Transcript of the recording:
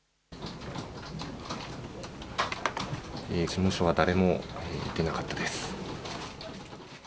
事務所は誰も出なかったです。